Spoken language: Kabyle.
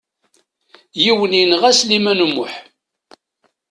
Yiwen yenɣa Sliman U Muḥ.